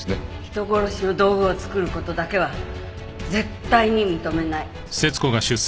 人殺しの道具を作る事だけは絶対に認めない。